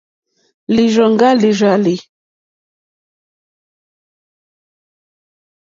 Lírzòŋɡá lìrzàlì.